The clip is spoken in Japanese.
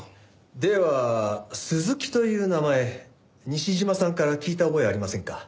では「鈴木」という名前西島さんから聞いた覚えはありませんか？